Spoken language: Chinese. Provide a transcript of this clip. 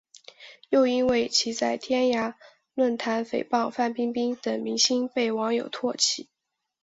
又因为其在天涯论坛诽谤范冰冰等明星被网友唾弃。